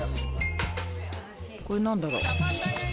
これ何だろう。